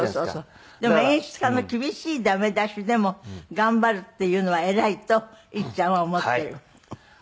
でも演出家の厳しいダメ出しでも頑張るっていうのは偉いといっちゃんは思ってる？